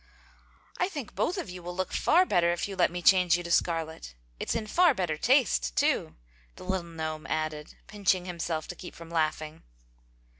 "I think both of you will look far better if you let me change you to scarlet. It's in far better taste, too!" the little gnome added, pinching himself to keep from laughing.